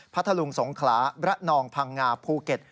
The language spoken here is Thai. ทะลุงสงขลาระนองพังงาภูเก็ต